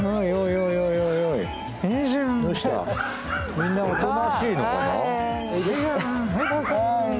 みんなおとなしいのかな？